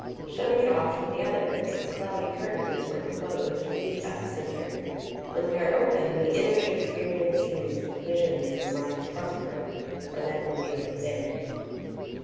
Shutting it off from the other, its "Cloudy Curtains," when closed, meet at the centre; when they are open, the inner Shakespearean scenes [visions in the mind of Prospero] are then revealed within.